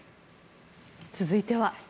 続いては。